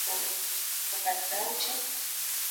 خپل اوښ خپله وتړئ بيا توکل وکړئ.